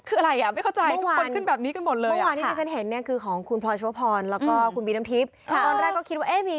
เอ๊ะคืออะไรอ่ะไม่เข้าใจ